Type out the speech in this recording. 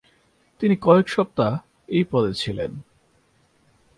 তিনি কয়েক সপ্তাহ এই পদে ছিলেন।